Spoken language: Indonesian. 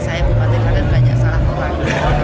tempat ini juga kami